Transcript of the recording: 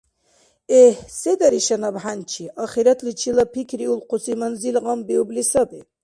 Эгь, се дариша наб хӀянчи? Ахиратличила пикриулхъуси манзил гъамбиубли саби.